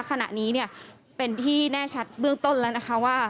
ขณะนี้เนี่ยเป็นที่แน่ชัดเบื้องต้นแล้วนะคะว่า